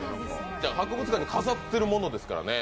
博物館に飾ってるものですからね。